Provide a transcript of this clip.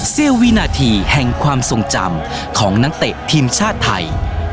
เสี้ยววินาทีแห่งความทรงจำของนักเตะทีมชาติไทย